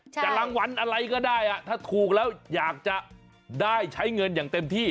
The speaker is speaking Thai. จะรางวัลอะไรก็ได้ถ้าถูกแล้วอยากจะได้ใช้เงินอย่างเต็มที่